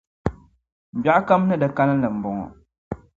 Biɛɣukam ni di kalinli m-bɔŋɔ;